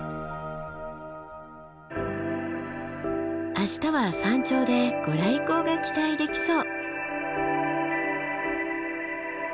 明日は山頂で御来光が期待できそう。